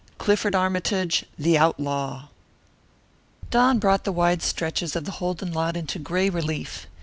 CLIFFORD ARMYTAGE, THE OUTLAW Dawn brought the wide stretches of the Holden lot into gray relief.